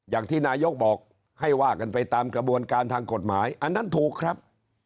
อย่างที่นายกบอกให้ว่ากันไปตามกระบวนการทางกฎหมายอันนั้นถูกครับ